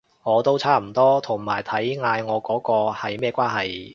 我都係差唔多，同埋睇嗌我嗰個係咩關係